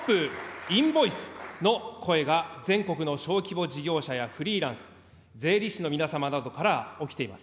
インボイスの声が、全国の小規模事業者やフリーランス、税理士の皆様などから起きています。